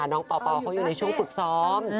น้องปปเขาอยู่ในช่วงฝึกซ้อม